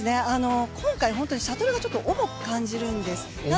今回シャトルが少し重く感じるんです。